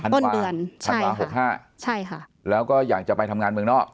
ต้นเดือนธันวา๖๕ใช่ค่ะแล้วก็อยากจะไปทำงานเมืองนอก